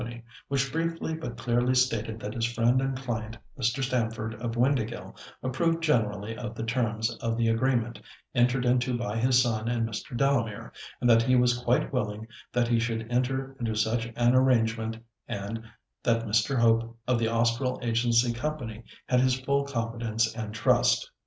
which briefly but clearly stated that his friend and client, Mr. Stamford, of Windāhgil, approved generally of the terms of the agreement entered into by his son and Mr. Delamere, and that he was quite willing that he should enter into such an arrangement, and that Mr. Hope, of the Austral Agency Company, had his full confidence and trust.